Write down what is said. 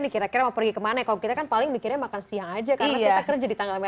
kira kira mau pergi kemana kalau kita kan paling mikirnya makan siang aja karena kita kerja di tanggal merah